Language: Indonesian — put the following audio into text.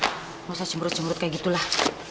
gak usah cemrut cemrut kayak gitu lah